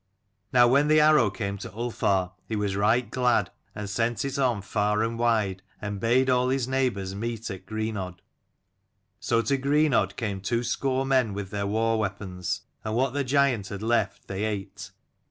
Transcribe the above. Now when the arrow came to Ulfar he was right glad, and sent it on far and wide, and bade all his neighbours meet at Greenodd. So to Greenodd came two score men with their war weapons : and what the giant had left they ate.